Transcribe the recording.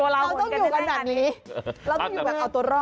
เราต้องอยู่กันแบบนี้เราต้องอยู่แบบเอาตัวรอด